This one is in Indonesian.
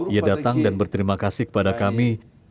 ia datang dan berterima kasih kepada kami